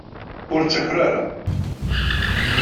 Ur ttaker ara.